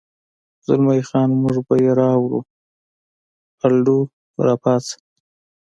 زلمی خان: موږ به یې راوړو، الډو، را پاڅه.